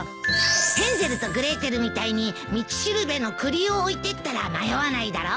『ヘンゼルとグレーテル』みたいに道しるべの栗を置いてったら迷わないだろ。